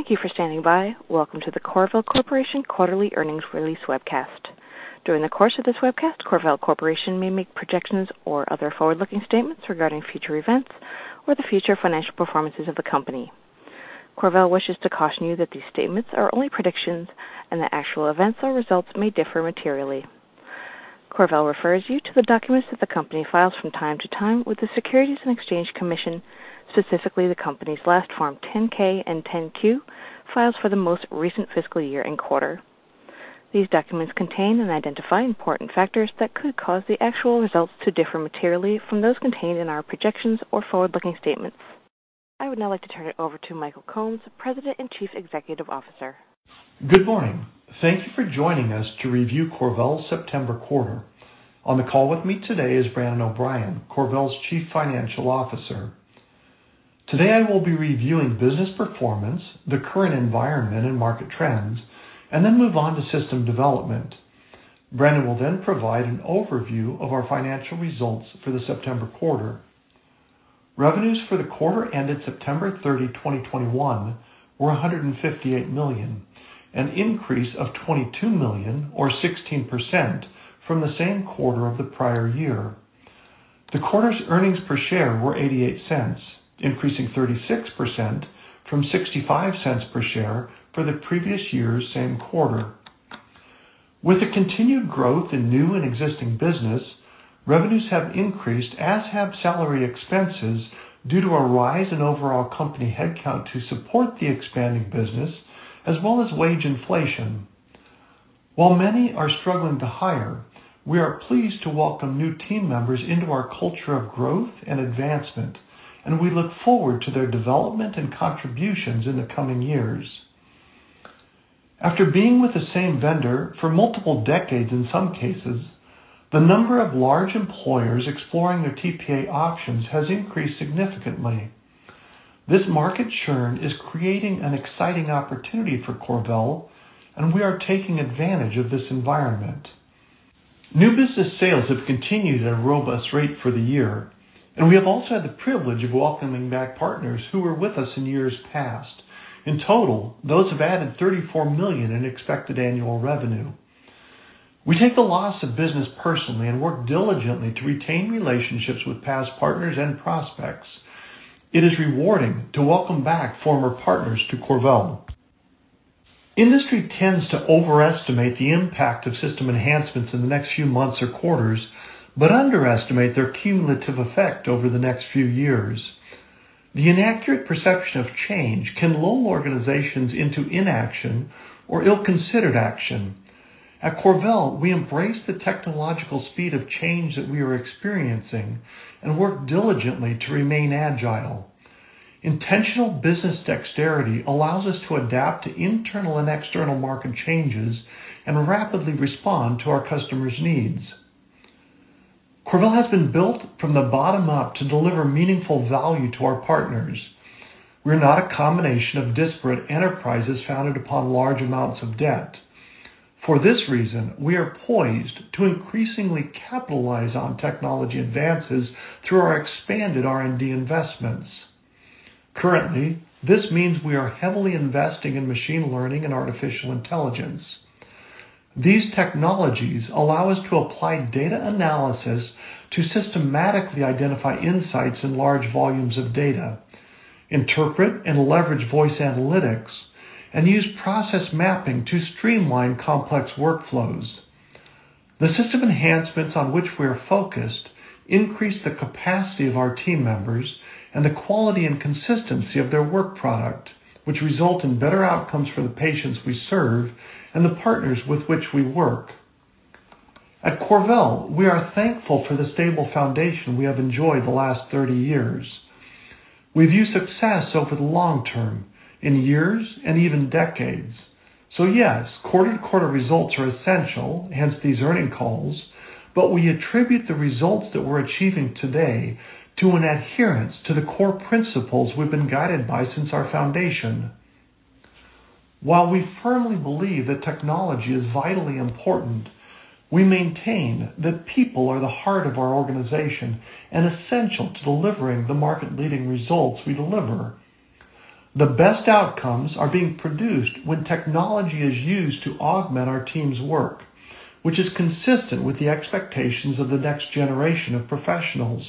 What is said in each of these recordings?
Thank you for standing by. Welcome to the CorVel Corporation Quarterly Earnings Release Webcast. During the course of this webcast, CorVel Corporation may make projections or other forward-looking statements regarding future events or the future financial performances of the company. CorVel wishes to caution you that these statements are only predictions and that actual events or results may differ materially. CorVel refers you to the documents that the company files from time to time with the Securities and Exchange Commission, specifically the company's last Form 10-K and 10-Q filings for the most recent fiscal year and quarter. These documents contain and identify important factors that could cause the actual results to differ materially from those contained in our projections or forward-looking statements. I would now like to turn it over to Michael Combs, President and Chief Executive Officer. Good morning. Thank you for joining us to review CorVel's September quarter. On the call with me today is Brandon O'Brien, CorVel's Chief Financial Officer. Today I will be reviewing business performance, the current environment and market trends, and then move on to system development. Brandon will then provide an overview of our financial results for the September quarter. Revenues for the quarter ended September 30, 2021 were $158 million, an increase of $22 million or 16% from the same quarter of the prior year. The quarter's earnings per share were $0.88, increasing 36% from $0.65 per share for the previous year's same quarter. With the continued growth in new and existing business, revenues have increased as have salary expenses due to a rise in overall company headcount to support the expanding business as well as wage inflation. While many are struggling to hire, we are pleased to welcome new team members into our culture of growth and advancement, and we look forward to their development and contributions in the coming years. After being with the same vendor for multiple decades in some cases, the number of large employers exploring their TPA options has increased significantly. This market churn is creating an exciting opportunity for CorVel, and we are taking advantage of this environment. New business sales have continued at a robust rate for the year, and we have also had the privilege of welcoming back partners who were with us in years past. In total, those have added $34 million in expected annual revenue. We take the loss of business personally and work diligently to retain relationships with past partners and prospects. It is rewarding to welcome back former partners to CorVel. Industry tends to overestimate the impact of system enhancements in the next few months or quarters, but underestimate their cumulative effect over the next few years. The inaccurate perception of change can lull organizations into inaction or ill-considered action. At CorVel, we embrace the technological speed of change that we are experiencing and work diligently to remain agile. Intentional business dexterity allows us to adapt to internal and external market changes and rapidly respond to our customers' needs. CorVel has been built from the bottom up to deliver meaningful value to our partners. We're not a combination of disparate enterprises founded upon large amounts of debt. For this reason, we are poised to increasingly capitalize on technology advances through our expanded R&D investments. Currently, this means we are heavily investing in machine learning and artificial intelligence. These technologies allow us to apply data analysis to systematically identify insights in large volumes of data, interpret and leverage voice analytics, and use process mapping to streamline complex workflows. The system enhancements on which we are focused increase the capacity of our team members and the quality and consistency of their work product, which result in better outcomes for the patients we serve and the partners with which we work. At CorVel, we are thankful for the stable foundation we have enjoyed the last 30 years. We view success over the long term in years and even decades. Yes, quarter to quarter results are essential, hence these earnings calls, but we attribute the results that we're achieving today to an adherence to the core principles we've been guided by since our foundation. While we firmly believe that technology is vitally important, we maintain that people are the heart of our organization and essential to delivering the market-leading results we deliver. The best outcomes are being produced when technology is used to augment our team's work, which is consistent with the expectations of the next generation of professionals.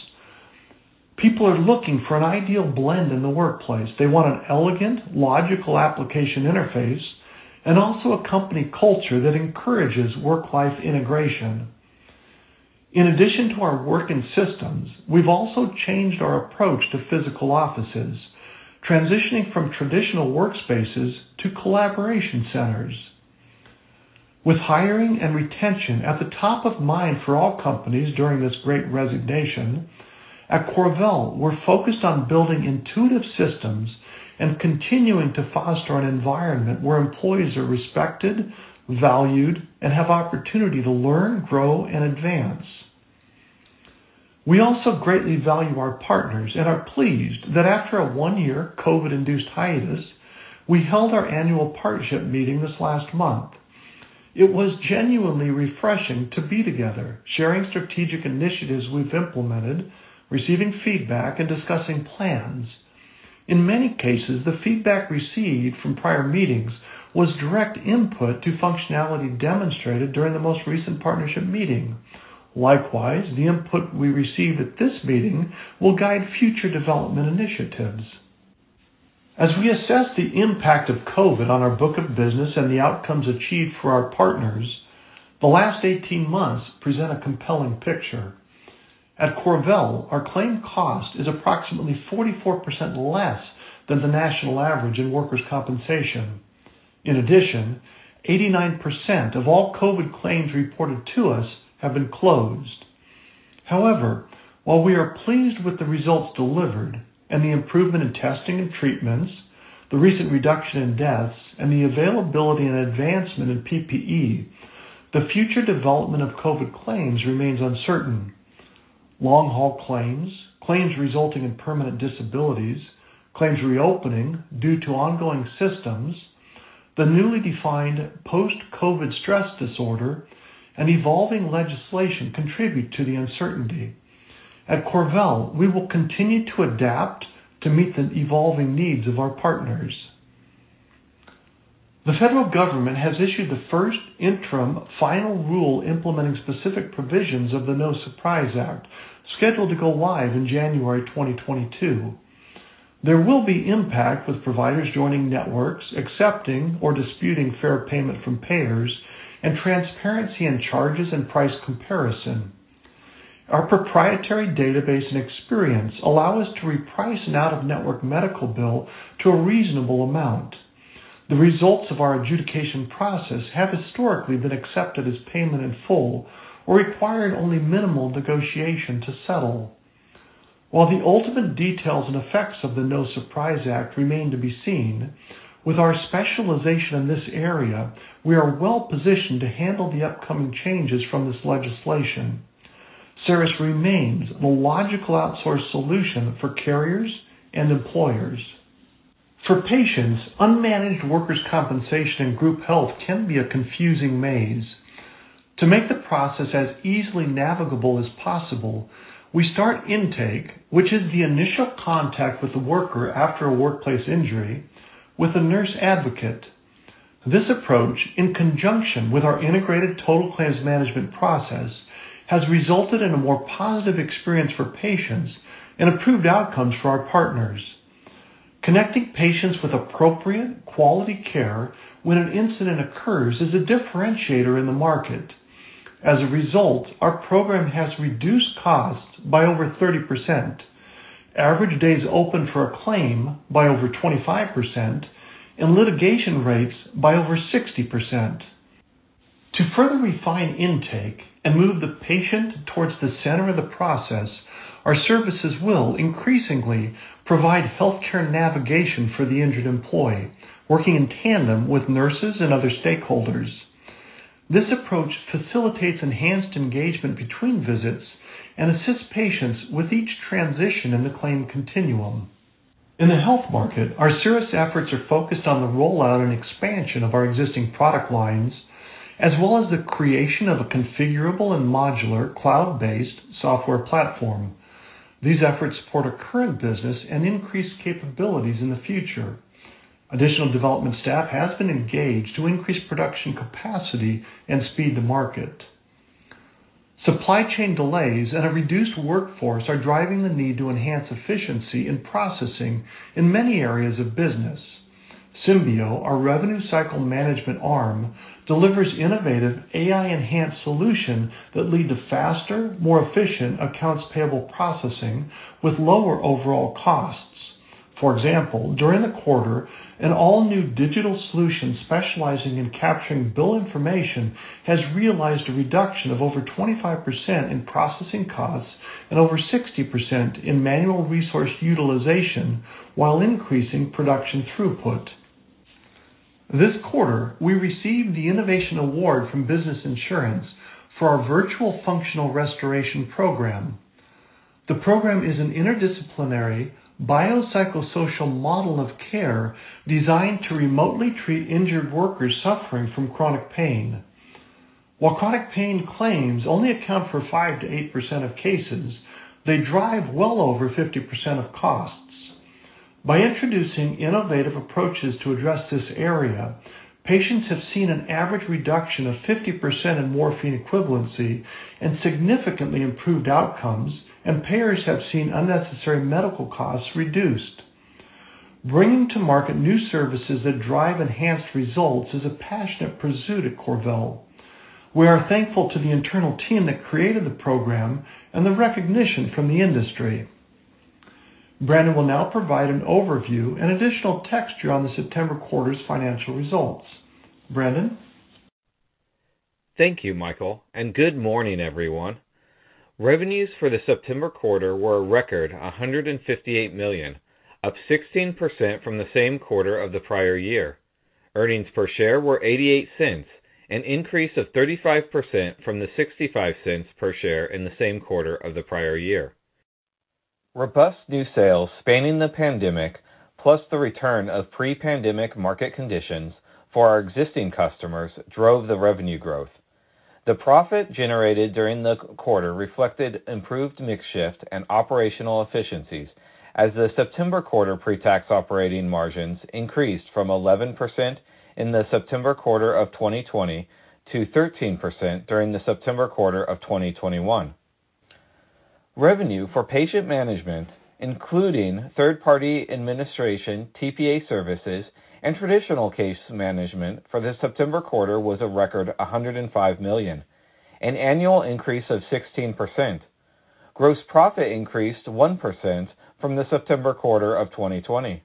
People are looking for an ideal blend in the workplace. They want an elegant, logical application interface and also a company culture that encourages work-life integration. In addition to our work in systems, we've also changed our approach to physical offices, transitioning from traditional workspaces to collaboration centers. With hiring and retention at the top of mind for all companies during this Great Resignation, at CorVel, we're focused on building intuitive systems and continuing to foster an environment where employees are respected, valued, and have opportunity to learn, grow, and advance. We also greatly value our partners and are pleased that after a one-year COVID-induced hiatus, we held our annual partnership meeting this last month. It was genuinely refreshing to be together, sharing strategic initiatives we've implemented, receiving feedback, and discussing plans. In many cases, the feedback received from prior meetings was direct input to functionality demonstrated during the most recent partnership meeting. Likewise, the input we received at this meeting will guide future development initiatives. As we assess the impact of COVID on our book of business and the outcomes achieved for our partners, the last 18 months present a compelling picture. At CorVel, our claim cost is approximately 44% less than the national average in workers' compensation. In addition, 89% of all COVID claims reported to us have been closed. However, while we are pleased with the results delivered and the improvement in testing and treatments, the recent reduction in deaths, and the availability and advancement in PPE, the future development of COVID claims remains uncertain. Long-haul claims resulting in permanent disabilities, claims reopening due to ongoing symptoms, the newly defined post-COVID stress disorder, and evolving legislation contribute to the uncertainty. At CorVel, we will continue to adapt to meet the evolving needs of our partners. The federal government has issued the first interim final rule implementing specific provisions of the No Surprises Act, scheduled to go live in January 2022. There will be impact with providers joining networks, accepting or disputing fair payment from payers, and transparency in charges and price comparison. Our proprietary database and experience allow us to reprice an out-of-network medical bill to a reasonable amount. The results of our adjudication process have historically been accepted as payment in full or requiring only minimal negotiation to settle. While the ultimate details and effects of the No Surprises Act remain to be seen, with our specialization in this area, we are well-positioned to handle the upcoming changes from this legislation. CERIS remains the logical outsource solution for carriers and employers. For patients, unmanaged workers' compensation and group health can be a confusing maze. To make the process as easily navigable as possible, we start intake, which is the initial contact with the worker after a workplace injury, with a nurse advocate. This approach, in conjunction with our integrated total claims management process, has resulted in a more positive experience for patients and improved outcomes for our partners. Connecting patients with appropriate quality care when an incident occurs is a differentiator in the market. As a result, our program has reduced costs by over 30%, average days open for a claim by over 25%, and litigation rates by over 60%. To further refine intake and move the patient towards the center of the process, our services will increasingly provide healthcare navigation for the injured employee, working in tandem with nurses and other stakeholders. This approach facilitates enhanced engagement between visits and assists patients with each transition in the claim continuum. In the health market, our service efforts are focused on the rollout and expansion of our existing product lines, as well as the creation of a configurable and modular cloud-based software platform. These efforts support our current business and increase capabilities in the future. Additional development staff has been engaged to increase production capacity and speed to market. Supply chain delays and a reduced workforce are driving the need to enhance efficiency in processing in many areas of business. Symbeo, our revenue cycle management arm, delivers innovative AI-enhanced solution that lead to faster, more efficient accounts payable processing with lower overall costs. For example, during the quarter, an all-new digital solution specializing in capturing bill information has realized a reduction of over 25% in processing costs and over 60% in manual resource utilization while increasing production throughput. This quarter, we received the Innovation Award from Business Insurance for our Virtual Functional Restoration Program. The program is an interdisciplinary biopsychosocial model of care designed to remotely treat injured workers suffering from chronic pain. While chronic pain claims only account for 5%-8% of cases, they drive well over 50% of costs. By introducing innovative approaches to address this area, patients have seen an average reduction of 50% in morphine equivalency and significantly improved outcomes, and payers have seen unnecessary medical costs reduced. Bringing to market new services that drive enhanced results is a passionate pursuit at CorVel. We are thankful to the internal team that created the program and the recognition from the industry. Brandon will now provide an overview and additional texture on the September quarter's financial results. Brandon? Thank you, Michael, and good morning, everyone. Revenues for the September quarter were a record $158 million, up 16% from the same quarter of the prior year. Earnings per share were $0.88, an increase of 35% from the $0.65 per share in the same quarter of the prior year. Robust new sales spanning the pandemic, plus the return of pre-pandemic market conditions for our existing customers drove the revenue growth. The profit generated during the quarter reflected improved mix shift and operational efficiencies as the September quarter pre-tax operating margins increased from 11% in the September quarter of 2020 to 13% during the September quarter of 2021. Revenue for patient management, including third-party administration, TPA services, and traditional case management for the September quarter was a record $105 million, an annual increase of 16%. Gross profit increased 1% from the September quarter of 2020.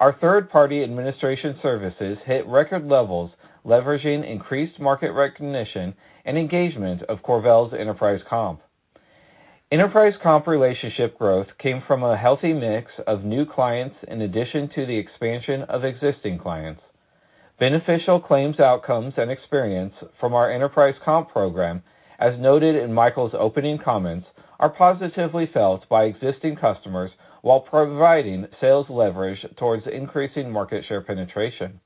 Our third-party administration services hit record levels, leveraging increased market recognition and engagement of CorVel's Enterprise Comp. Enterprise Comp relationship growth came from a healthy mix of new clients in addition to the expansion of existing clients. Beneficial claims outcomes and experience from our Enterprise Comp program, as noted in Michael's opening comments, are positively felt by existing customers while providing sales leverage towards increasing market share penetration.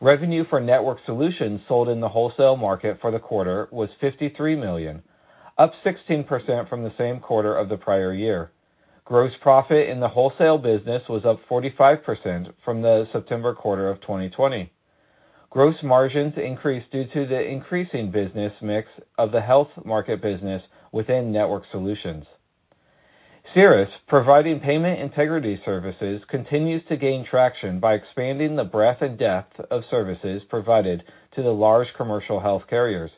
Revenue for network solutions sold in the wholesale market for the quarter was $53 million, up 16% from the same quarter of the prior year. Gross profit in the wholesale business was up 45% from the September quarter of 2020. Gross margins increased due to the increasing business mix of the health market business within network solutions. CERIS, providing payment integrity services, continues to gain traction by expanding the breadth and depth of services provided to the large commercial health carriers.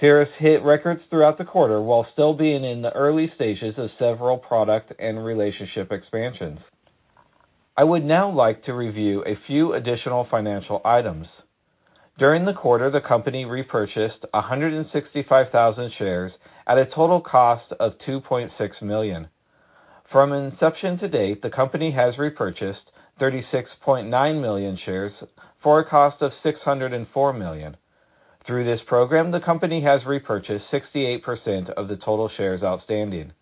CERIS hit records throughout the quarter while still being in the early stages of several product and relationship expansions. I would now like to review a few additional financial items. During the quarter, the company repurchased 165,000 shares at a total cost of $2.6 million. From inception to date, the company has repurchased 36.9 million shares for a cost of $604 million. Through this program, the company has repurchased 68% of the total shares outstanding.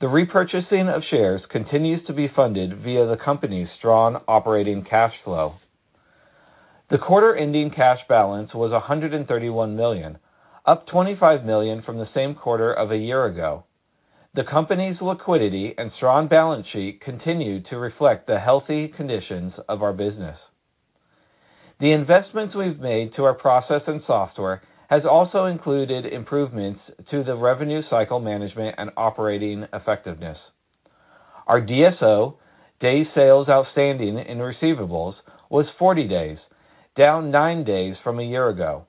The repurchasing of shares continues to be funded via the company's strong operating cash flow. The quarter-ending cash balance was $131 million, up $25 million from the same quarter of a year ago. The company's liquidity and strong balance sheet continue to reflect the healthy conditions of our business. The investments we've made to our process and software has also included improvements to the revenue cycle management and operating effectiveness. Our DSO, days sales outstanding in receivables, was 40 days, down nine days from a year ago.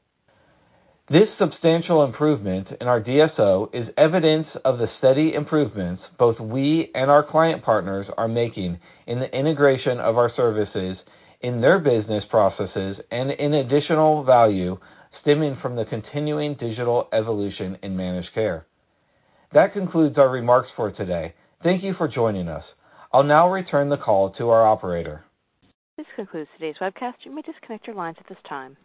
This substantial improvement in our DSO is evidence of the steady improvements both we and our client partners are making in the integration of our services in their business processes and in additional value stemming from the continuing digital evolution in managed care. That concludes our remarks for today. Thank you for joining us. I'll now return the call to our operator. This concludes today's webcast. You may disconnect your lines at this time.